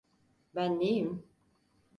Ben neyim?